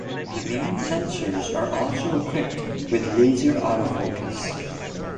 The main sensors are also equipped with laser autofocus.